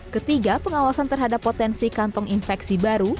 ketiga pengawasan terhadap potensi kantong infeksi baru